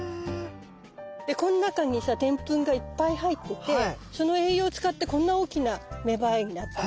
でこの中にさでんぷんがいっぱい入っててその栄養を使ってこんな大きな芽生えになったの。